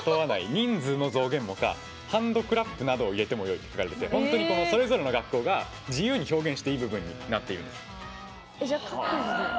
人数の増減も可ハンドクラップなどを入れてもよいって書かれててそれぞれの学校が自由に表現していい部分になっているんです。